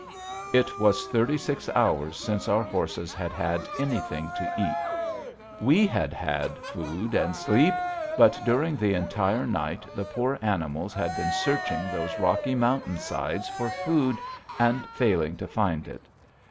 It was thirty six hours since our horses had had anything to eat. We had had food and sleep, but during the entire night the poor animals had been searching those rocky mountain sides for food and failing to find it.